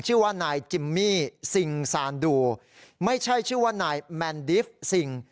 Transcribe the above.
ชื่อว่านายจิมมี่ซิงซานดูไม่ใช่ชื่อว่านายแมนดิฟต์ซิง